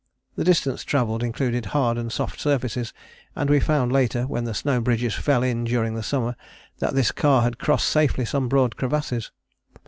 The distance travelled included hard and soft surfaces, and we found later when the snow bridges fell in during the summer that this car had crossed safely some broad crevasses.